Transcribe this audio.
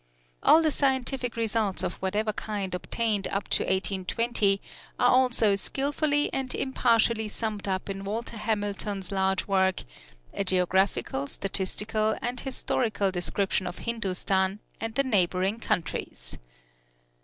All the scientific results of whatever kind obtained up to 1820 are also skilfully and impartially summed up in Walter Hamilton's large work, "A Geographical, Statistical, and Historical Description of Hindustan, and the neighbouring Countries."